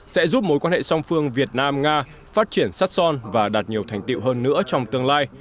sẽ giúp mối quan hệ song phương việt nam nga phát triển sắt son và đạt nhiều thành tiệu hơn nữa trong tương lai